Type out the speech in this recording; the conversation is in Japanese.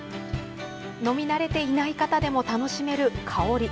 飲み慣れていない方でも楽しめる香り